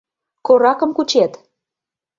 Коракым кучет!